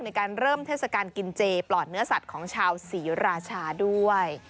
ในการเริ่มเทศกาลกินเจปลอดเนื้อสัตว์ของชาวศรีราชาด้วย